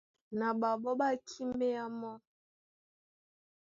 Na ɓaɓɔ́ ɓá kíméá mɔ́.